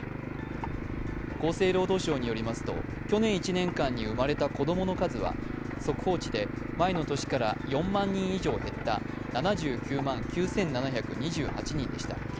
厚生労働省によりますと去年１年間に生まれた子供の数は速報値で前の年から４万人以上減った、７９万９７２８人でした。